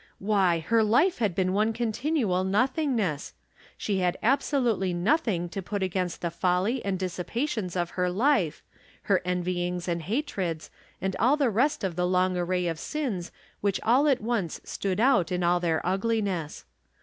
" Why, her life had been one continual nothingness — she had absolutely nothing to put against the folly and dissipations of her Hfe, her envj'ings and hatreds, and all the rest of the long array of sins which aU at once stood out in all their ugliness.